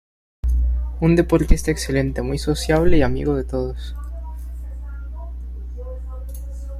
Un deportista excelente, muy sociable y amigo de todos.